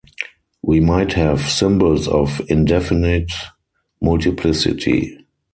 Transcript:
We might have symbols of indefinite multiplicity.